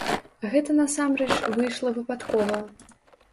Гэта, насамрэч, выйшла выпадкова.